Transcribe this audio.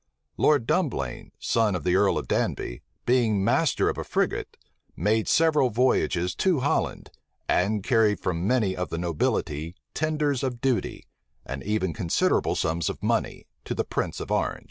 Lord Dumblaine, son of the earl of Danby, being master of a frigate, made several voyages to Holland, and carried from many of the nobility tenders of duty, and even considerable sums of money,[*] to the prince of Orange.